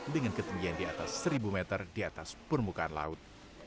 dengan ketinggian di atas seribu meter di atas permukaan laut